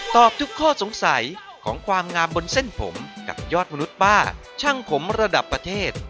ทุกข้อสงสัยของความงามบนเส้นผมกับยอดมนุษย์ป้าช่างผมระดับประเทศ